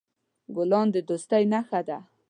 ګلان د دوستۍ نښه ده.